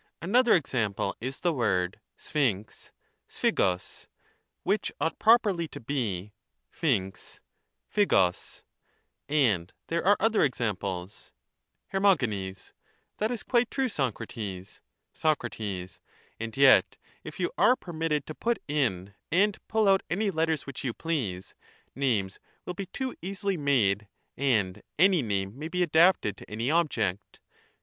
Another example is the word (y(ply^, atpiyyoq, which ought properly to be (p\y^, (piyybg, <T<piyi, and there are other examples. ^^ Ifer. That is quite true, Socrates. Soc: And yet, if you are permitted to put in and pull out any letters which you please, names will be too easily made, and any name may be adapted to any object.